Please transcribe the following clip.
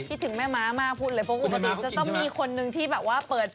คิดถึงแม่ม้ามากพูดเลยเพราะปกติจะต้องมีคนนึงที่แบบว่าเปิด